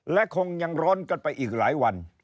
และคงยังร้อนกันไปอีกหลายวัน